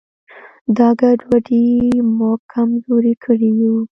دا ګډوډي موږ کمزوري کړي یو.